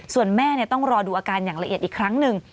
ส่วนแม่ต้องรอดูอาการอย่างละเอียดอีกครั้งหนึ่ง